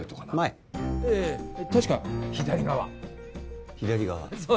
ええ確か左側左側そう